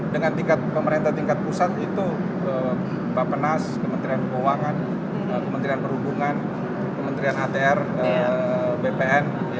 dengan tingkat pemerintah tingkat pusat itu bapak penas kementerian keuangan kementerian perhubungan kementerian atr bpn